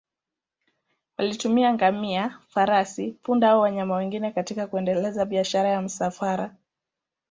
Walitumia ngamia, farasi, punda au wanyama wengine katika kuendeleza biashara ya misafara.